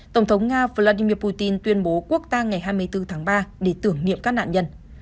tổng thống nga vladimir putin tuyên bố quốc ta ngày hai mươi bốn tháng ba để tưởng niệm các nạn nhân